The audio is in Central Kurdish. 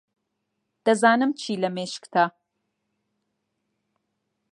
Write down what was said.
دەزانم چی لە مێشکتە.